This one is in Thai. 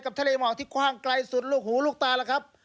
ทะเลหมอกที่กว้างไกลสุดลูกหูลูกตาแล้วครับ